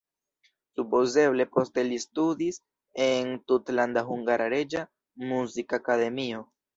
Supozeble poste li studis en Tutlanda Hungara Reĝa Muzikakademio.